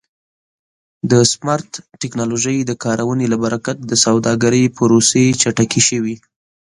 د سمارټ ټکنالوژۍ د کارونې له برکت د سوداګرۍ پروسې چټکې شوې.